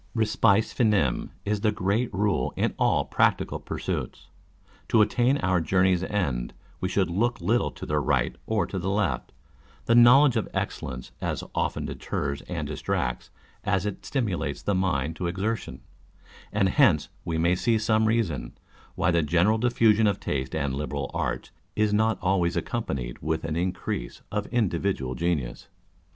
Respice fincm is the great rule in all practical pursuits : to attain our journey's end, we should look little to the ri^lit or to the left; the knowledge of excellence as often o * o deters and distracts, as it stimulates the mind to exertion ; and hence we may see some reason, why the general diffusion of taste and liberal arts is not always accom panied with an increase of individual genius.